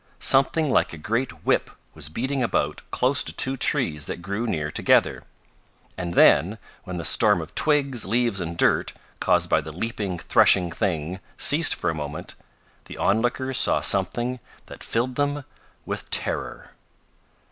Something like a great whip was beating about close to two trees that grew near together. And then, when the storm of twigs, leaves and dirt, caused by the leaping, threshing thing ceased for a moment, the onlookers saw something that filled them with terror.